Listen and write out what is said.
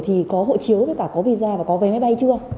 thì có hộ chiếu với cả có visa và có vé máy bay chưa